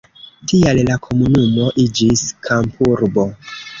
Tial la komunumo iĝis kampurbo.